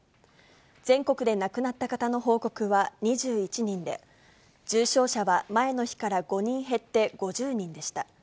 全国で亡くなった方の報告は２１人で、重症者は前の日から５人減って５０人でした。